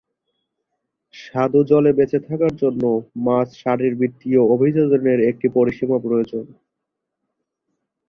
স্বাদু জলে বেঁচে থাকার জন্য, মাছ শারীরবৃত্তীয় অভিযোজনের একটি পরিসীমা প্রয়োজন।